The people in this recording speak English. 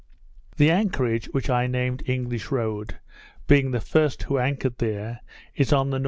The anchorage, which I named English Road, being the first who anchored there, is on the N.W.